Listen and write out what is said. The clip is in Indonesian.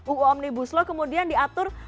uu omnibus law kemudian diatur